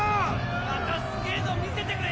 またすげぇの見せてくれ！